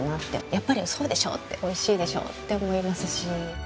やっぱりそうでしょ？って美味しいでしょ！って思いますし。